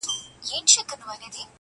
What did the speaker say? چي پر قام دي خوب راغلی په منتر دی؛؛!